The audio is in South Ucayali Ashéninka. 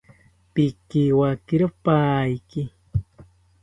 Pikiwakiro paiki